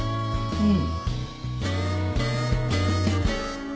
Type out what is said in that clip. うん。